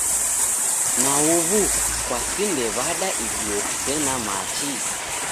Na u'wu kwasinde w'ada iguo kusena machi?